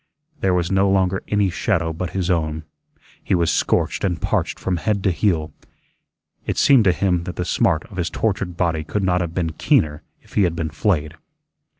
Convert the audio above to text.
There was no longer any shadow but his own. He was scorched and parched from head to heel. It seemed to him that the smart of his tortured body could not have been keener if he had been flayed.